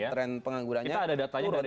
trend penganggurannya turun tapi landai